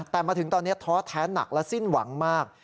แต่มาถึงตอนนี้ท้อแท้หนักและสิ้นหวังมาก